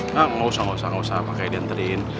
nggak usah nggak usah nggak usah pakai dihantarin